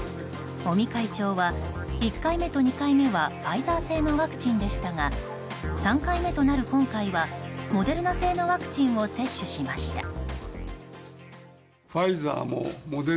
尾身会長は１回目と２回目はファイザー製のワクチンでしたが３回目となる今回はモデルナ製のワクチンを接種しました。